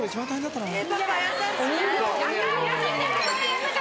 やめて！